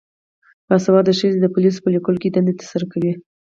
باسواده ښځې د پولیسو په لیکو کې دنده ترسره کوي.